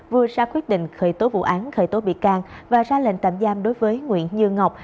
vừa ra quyết định khởi tố vụ án khởi tố bị can và ra lệnh tạm giam đối với nguyễn như ngọc